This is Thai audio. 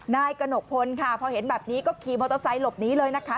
นายกระหนกพลค่ะพอเห็นแบบนี้ก็ขี่มอเตอร์ไซค์หลบหนีเลยนะคะ